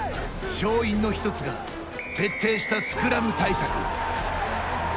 勝因の一つが徹底したスクラム対策。